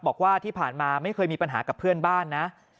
บอกว่าที่ผ่านมาไม่เคยมีปัญหากับเพื่อนบ้านนะ